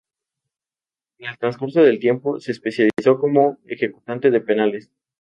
En el transcurso del tiempo se especializó como ejecutante de penales.